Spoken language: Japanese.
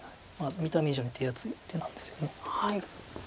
見た目以上に手厚い手なんですよね。